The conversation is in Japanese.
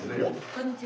こんにちは。